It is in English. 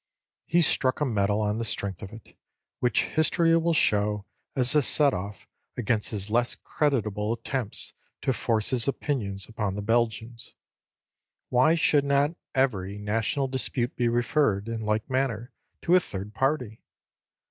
He struck a medal on the strength of it, which history will show as a set off against his less creditable attempts to force his opinions upon the Belgians. Why should not every national dispute be referred, in like manner, to a third party?